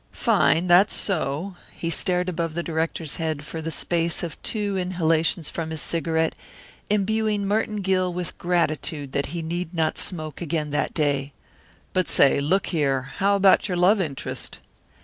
"Fine that's so!" He stared above the director's head for the space of two inhalations from his cigarette, imbuing Merton Gill with gratitude that he need not smoke again that day. "But say, look here, how about your love interest?"